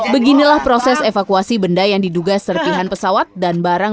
beginilah proses evakuasi benda yang diduga serpihan pesawat dan barang